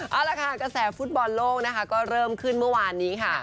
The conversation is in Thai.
เอาละค่ะกระแสฟุตบอลโลกนะคะก็เริ่มขึ้นเมื่อวานนี้ค่ะ